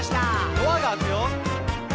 「ドアが開くよ」